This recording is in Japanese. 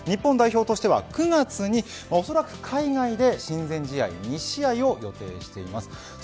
日本代表としては９月におそらく海外で親善試合を２試合、予定しています。